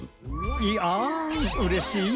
いあんうれしい！